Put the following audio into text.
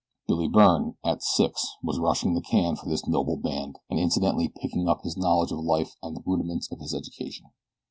Billy Byrne, at six, was rushing the can for this noble band, and incidentally picking up his knowledge of life and the rudiments of his education.